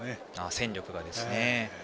戦力がですね。